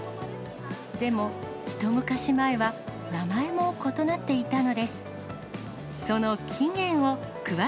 でも一昔前は、名前も異なっていたのです。